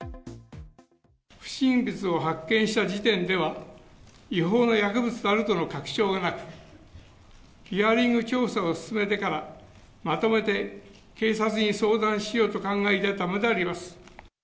不審物を発見した時点では、違法な薬物であるとの確証がなく、ヒアリング調査を進めてから、まとめて警察に相談しようと考えていたためであります。